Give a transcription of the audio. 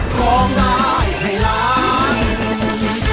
ของนายให้รัก